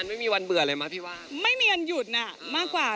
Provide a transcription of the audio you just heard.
ไม่มีวันหยุดหน่อยมากกว่า